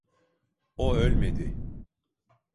O ölmedi!